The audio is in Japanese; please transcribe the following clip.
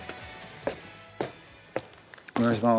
お願いします。